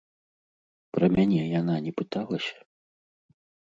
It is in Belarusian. Пра мяне яна не пыталася?